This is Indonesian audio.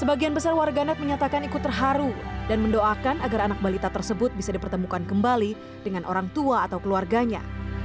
sebagian besar warganet menyatakan ikut terharu dan mendoakan agar anak balita tersebut bisa dipertemukan kembali dengan orang tua atau keluarganya